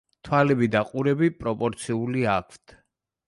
თვალები და ყურები პროპორციული აქვთ.